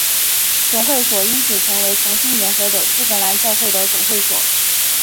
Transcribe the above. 总会所因此成为重新联合的苏格兰教会的总会所。